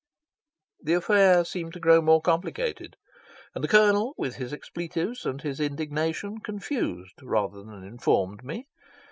The affair seemed to grow more complicated, and the Colonel, with his expletives and his indignation, confused rather than informed me.